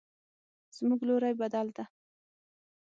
زموږ لوري بدل ده